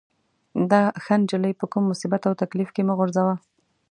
دا ښه نجلۍ په کوم مصیبت او تکلیف کې مه غورځوه.